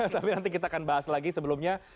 tapi nanti kita akan bahas lagi sebelumnya